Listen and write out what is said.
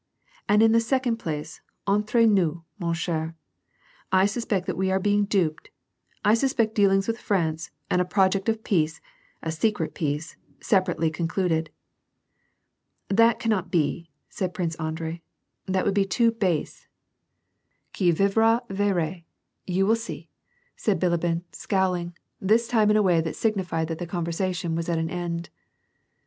And in the second place, entre nous, mon cher, I suspect that we are being duped, I suspect dealings with France, and a project of peace, a secret peace, separately concliuled." "lliat cannot be," said Prince Andrei, " That would be too base." ♦*• £chauff(ntr^e de Durenstein^ 186 ^'^R ASD PEACE, :" Qui rirra, rerra^ you will see/' said Bilibin^ scowling, this time in a way that signified that the conYersation was at an end.